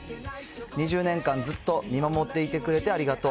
２０年間、ずっと見守っていてくれてありがとう。